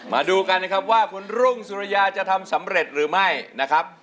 มาดูกันนะครับว่าคุณรุ่งสุริยาจะทำสำเร็จหรือไม่นะครับ